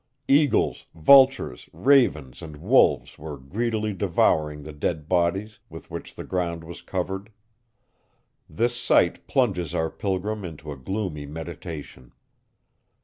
Eagles, vultures, ravens and wolves were greedily devouring the dead bodies with which the ground was covered. This sight plunges our pilgrim into a gloomy meditation.